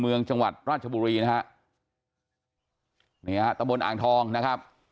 จังหวัดราชบุรีนะฮะนี่ฮะตะบนอ่างทองนะครับ